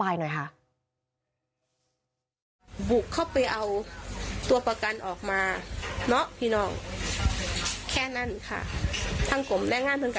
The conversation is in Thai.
อย่างนั้นเลยหรอ